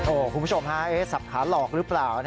คุณผู้ชมฮะสับขาหลอกหรือเปล่า